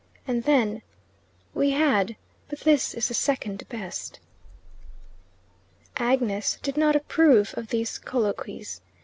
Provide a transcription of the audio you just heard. And then: "We had; but this is the second best." Agnes did not approve of these colloquies.